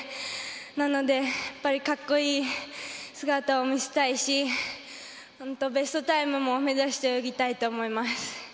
なので、格好いい姿を見せたいしベストタイムも目指して泳ぎたいと思います。